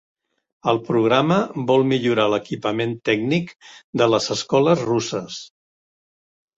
El programa vol millorar l'equipament tècnic de les escoles russes.